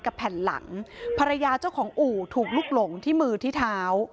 แผ่นหลังภรรยาเจ้าของอู่ถูกลุกหลงที่มือที่เท้า